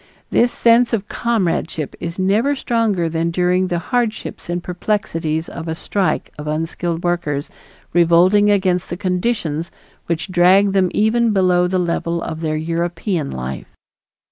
This sense of comradeship is never stronger than during the hardships and perplexities of a strike of unskilled workers revolting against the conditions which drag them even below the level of their European life.